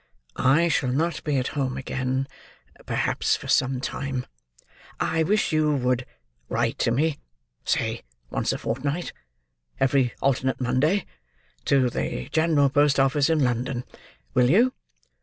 "I shall not be at home again, perhaps for some time; I wish you would write to me—say once a fort night: every alternate Monday: to the General Post Office in London. Will you?"